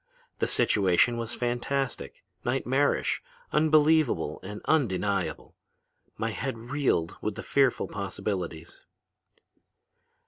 The situation was fantastic, nightmarish, unbelievable and undeniable. My head reeled with the fearful possibilities.